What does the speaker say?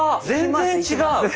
全然違う。